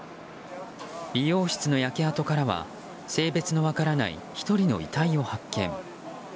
美容室の焼け跡からは性別の分からない１人の遺体を発見。